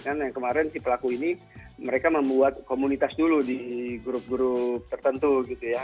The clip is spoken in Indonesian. kan yang kemarin si pelaku ini mereka membuat komunitas dulu di grup grup tertentu gitu ya